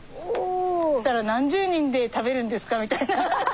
そしたら何十人で食べるんですかみたいな。